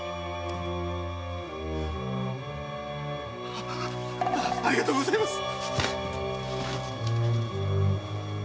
ありがとうございます。